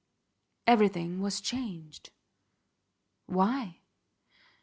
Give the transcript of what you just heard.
Everything was changed. Why?